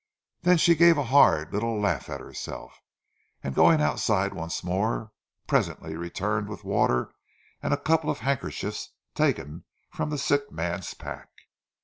Then she gave a hard little laugh at herself, and going outside once more, presently returned with water and with a couple of handkerchiefs taken from the sick man's pack.